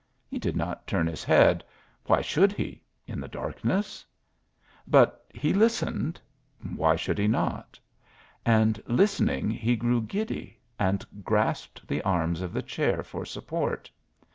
He did not turn his head. Why should he in the darkness? But he listened why should he not? And listening he grew giddy and grasped the arms of the chair for support.